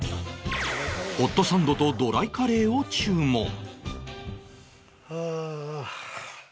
ホットサンドとドライカレーを注文はあー。